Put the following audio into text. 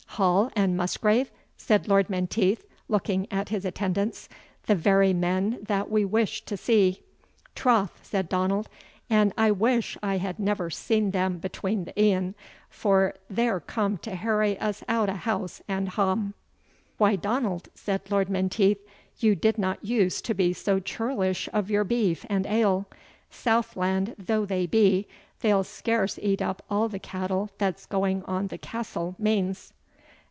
"Hall and Musgrave?" said Lord Menteith, looking at his attendants, "the very men that we wished to see." "Troth," said Donald, "an' I wish I had never seen them between the een, for they're come to herry us out o' house and ha'." "Why, Donald," said Lord Menteith, "you did not use to be so churlish of your beef and ale; southland though they be, they'll scarce eat up all the cattle that's going on the castle mains."